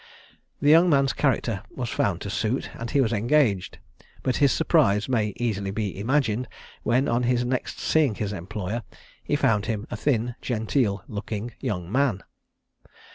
The young man's character was found to suit, and he was engaged; but his surprise may easily be imagined, when on his next seeing his employer, he found him a thin, genteel looking young man.